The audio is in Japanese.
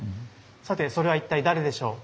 さてそれは一体誰でしょう？